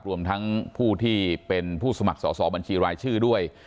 รวมทั้งผู้ที่เป็นผู้สมัครสอบบัญชีรายชื่อด้วย